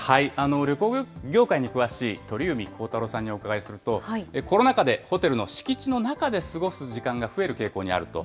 旅行業界に詳しい鳥海高太朗さんにお伺いすると、コロナ禍でホテルの敷地の中で過ごす時間が増える傾向にあると。